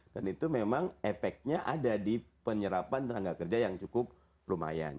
dan itu memang efeknya ada di penyerapan rangka kerja yang cukup lumayan